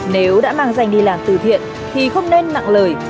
nếu đã mang danh đi làm từ thiện thì không nên nặng lời